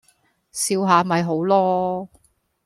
笑下咪好囉